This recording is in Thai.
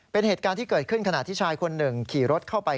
เป็นเหตุการณ์ที่เกิดขึ้นขณะที่ชายคนหนึ่งขี่รถเข้าไป